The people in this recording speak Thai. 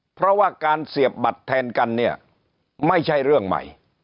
เพราะว่าการเสียบบัตรแทนกันเนี่ยไม่ใช่เรื่องใหม่